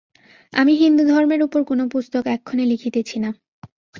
আমি হিন্দুধর্মের উপর কোন পুস্তক এক্ষণে লিখিতেছি না।